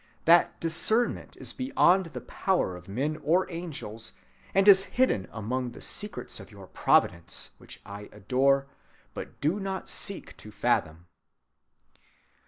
That discernment is beyond the power of men or angels, and is hidden among the secrets of your Providence, which I adore, but do not seek to fathom."